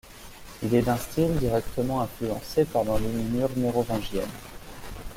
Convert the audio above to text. Il est d'un style directement influencé par l'enluminure mérovingienne.